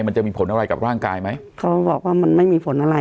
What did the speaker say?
มันจะมีผลอะไรกับร่างกายไหมเขาบอกว่ามันไม่มีผลอะไร